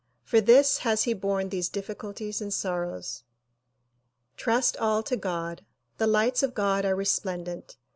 For this has he borne these difficulties and sorrows. Trust all to God. The lights of God are resplendent.